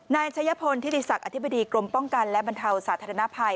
นายชัยพลธิติศักดิ์อธิบดีกรมป้องกันและบรรเทาสาธารณภัย